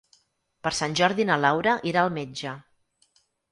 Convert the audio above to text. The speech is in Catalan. Per Sant Jordi na Laura irà al metge.